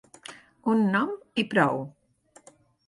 Un nom i prou.